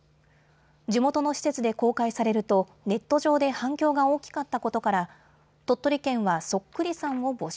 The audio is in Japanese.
地元の施設で公開されるとネット上で反響が大きかったことから鳥取県はそっくりさんを募集。